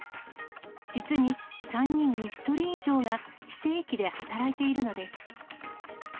実に３人に１人以上が非正規で働いているのです。